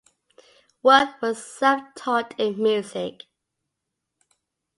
Work was self-taught in music.